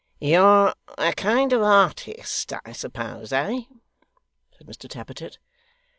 'You're a kind of artist, I suppose eh!' said Mr Tappertit.